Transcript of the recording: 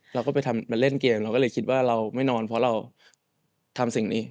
เราก็ไปเล่นเกมเราก็เลยคิดว่าเราไม่นอนเพราะเราทำสิ่งนี้